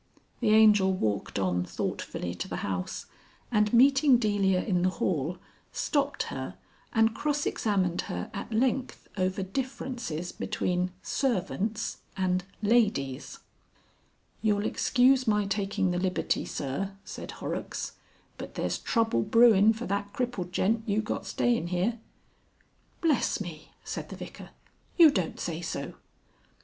The Angel walked on thoughtfully to the house, and meeting Delia in the hall stopped her and cross examined her at length over differences between Servants and Ladies. "You'll excuse my taking the liberty, Sir," said Horrocks, "but there's trouble brewin' for that crippled gent you got stayin' here." "Bless me!" said the Vicar. "You don't say so!"